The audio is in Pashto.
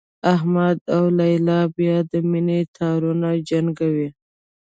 احمد او لیلا بیا د مینې تارونه جنګوي